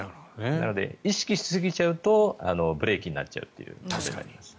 なので、意識しすぎちゃうとブレーキになっちゃうと。